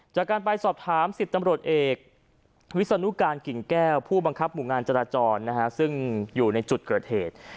จากการไปสอบถาม๑๐ตำรวจเอกวิศนุการกิ่งแก้วผู้บังคับหมู่งานจราจรซึ่งอยู่ในจุดเกิดเหตุ